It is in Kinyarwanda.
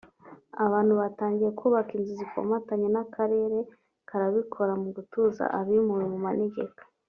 abantu batangiye kubaka inzu zikomatanye n’akarere karabikora mu gutuza abimuwe mu manegeka